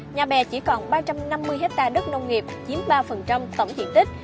nhà bè chỉ còn ba trăm năm mươi hectare đất nông nghiệp chiếm ba tổng diện tích